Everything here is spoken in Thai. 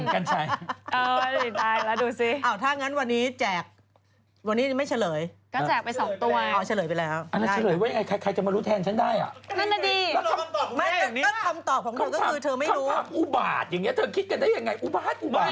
อุบาทอย่างนี้เธอคิดกันยังไงอุบาทอุบาท